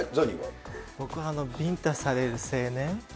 僕は、ビンタされる青年。